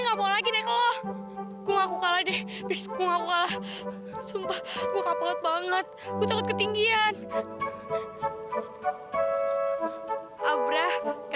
sampai jumpa di video selanjutnya